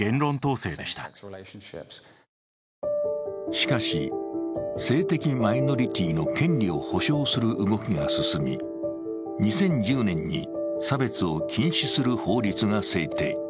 しかし、性的マイノリティーの権利を保障する動きが進み、２０１０年に差別を禁止する法律が制定。